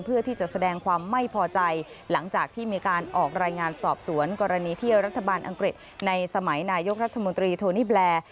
แสดงความไม่พอใจหลังจากที่มีการออกรายงานสอบสวนกรณีที่รัฐบาลอังกฤษในสมัยนายกรัฐมนตรีโทนี่แบล